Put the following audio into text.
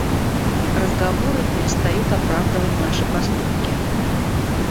Разговоры перестают оправдывать наши поступки.